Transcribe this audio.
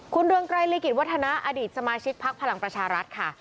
คุณดวงไกรลีกฤทธิ์วัฒนะอดีตสมาชิกพักภารังประชารัฐค่ะ